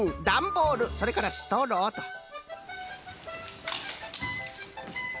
ダンボールそれからストローと！